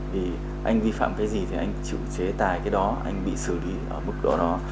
vì anh vi phạm cái gì thì anh chịu chế tài cái đó anh bị xử lý ở mức độ đó